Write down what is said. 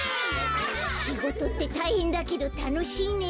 しごとってたいへんだけどたのしいね。